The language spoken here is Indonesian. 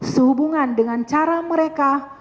sehubungan dengan cara mereka